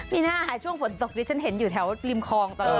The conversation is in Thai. พี่น่าช่วงบนตกนี้ฉันเห็นอยู่แถวเรียนครองต่อเลย